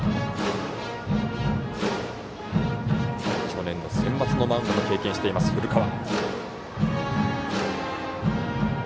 去年のセンバツのマウンドも経験している古川。